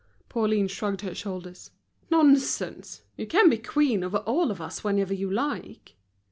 Pauline shrugged her shoulders. "Nonsense, you can be queen over all of us whenever you like."